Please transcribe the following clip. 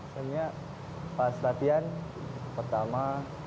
sebenarnya pas latihan pertama